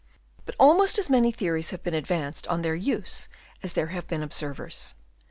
But almost as many theories have been advanced on their use as there have been observers.